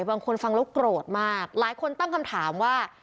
ฟังแล้วโกรธมากหลายคนตั้งคำถามว่า